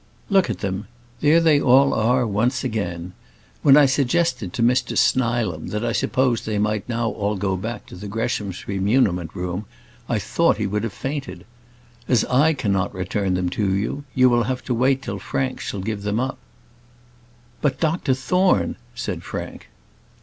"Look at them; there they all are once again. When I suggested to Mr Snilam that I supposed they might now all go back to the Greshamsbury muniment room, I thought he would have fainted. As I cannot return them to you, you will have to wait till Frank shall give them up." "But, Dr Thorne," said Frank.